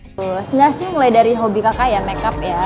tuh sebenarnya sih mulai dari hobi kakak ya makeup ya